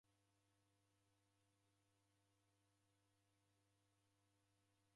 Nabuka Maghegho.